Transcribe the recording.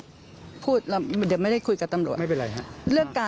หมองว่าัวไม่ใช่กาค้าวใช่มั้ยคะ